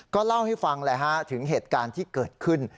ก็เล่าให้ฟังแหละฮะถึงเหตุการณ์ที่เกิดขึ้น